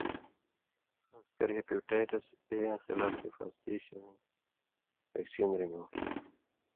خاص کر ہیپاٹائٹس اے یاں خلاف حفاظتی سُویں وېکسین رِن٘گؤں۔